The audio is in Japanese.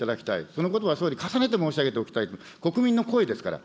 このことは総理、重ねて申し上げておきたいと、国民の声ですから。